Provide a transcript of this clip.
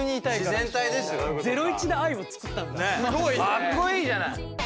かっこいいじゃない。